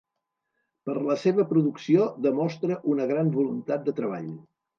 Per la seva producció demostra una gran voluntat de treball.